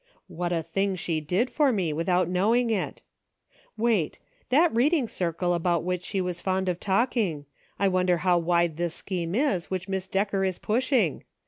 What a thing she did for me, without knowing it ! Wait ! That reading circle about which she was fond of talking — I wonder how wide this scheme is which Miss Decker is pushing.